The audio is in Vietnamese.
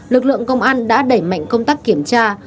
lực lượng công an đã đẩy mạnh công tác kiểm tra